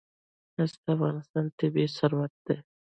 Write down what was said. مس د افغانستان طبعي ثروت دی.